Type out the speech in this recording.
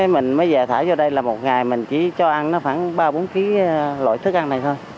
mình mới về thải vô đây là một ngày mình chỉ cho ăn nó khoảng ba bốn kg loại thức ăn này thôi